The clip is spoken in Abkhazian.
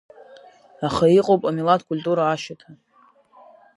Аха иҟоуп амилаҭ культура ашьаҭа.